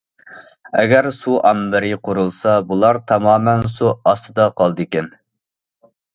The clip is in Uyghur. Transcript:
ئەگەر سۇ ئامبىرى قۇرۇلسا، بۇلار تامامەن سۇ ئاستىدا قالىدىكەن.